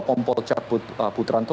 kompol cap puterantol